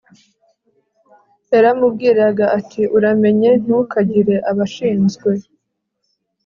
yaramubwiraga ati uramenye ntukagire abashinzwe